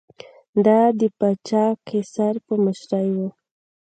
دا د پاچا قیصر په مشرۍ و